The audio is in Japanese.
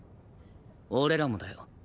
俺らもだよ。